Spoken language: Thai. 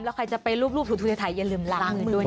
แล้วใครจะไปรูปถูกถูกให้ถ่ายอย่าลืมล้างมือด้วยนะจ๊ะ